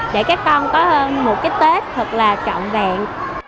để các con có hơn một cái tết thật là trọng đẹp